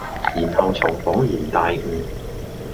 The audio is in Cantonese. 然後才仿然大悟。